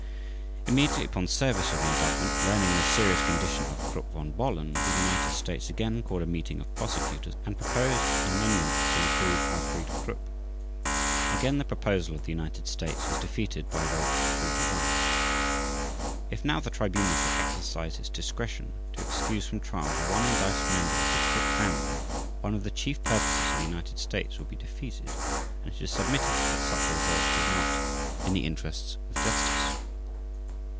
Immediately upon service of the Indictment, learning the serious condition of Krupp von Bohlen, the United States again called a meeting of Prosecutors and proposed an amendment to include Alfried Krupp. Again the proposal of the United States was defeated by a vote of 3 to 1. If now the Tribunal shall exercise its discretion to excuse from trial the one indicted member of the Krupp family, one of the chief purposes of the United States will be defeated and it is submitted that such a result is not "in the interests of justice."